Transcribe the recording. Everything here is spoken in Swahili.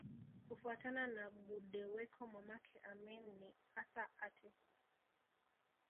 Kufuatana na Gudewekko mamake Amin ni Assa Aatte